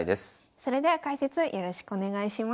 それでは解説よろしくお願いします。